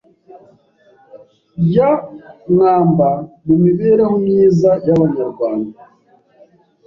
ya mwamba mu mibereho myiza y’Abanyarwanda